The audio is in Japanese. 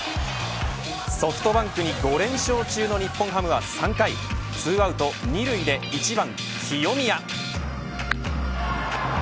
ソフトバンクに５連勝中の日本ハムは、３回２アウト２塁で１番清宮。